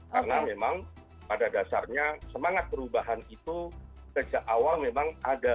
karena memang pada dasarnya semangat perubahan itu sejak awal memang ada